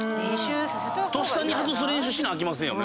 外す練習しなあきませんよね？